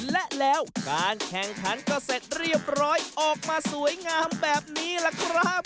และแล้วการแข่งขันก็เสร็จเรียบร้อยออกมาสวยงามแบบนี้ล่ะครับ